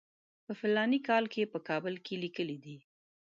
په فلاني کال کې په کابل کې لیکلی دی.